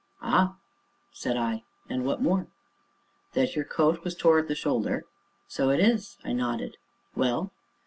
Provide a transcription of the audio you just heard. "Ah!" said I; "and what more?" "That your coat was tore at the shoulder." "So it is," I nodded; "well?"